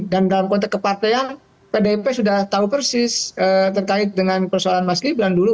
dan dalam konteks kepartean pdip sudah tahu persis terkait dengan persoalan mas gibran dulu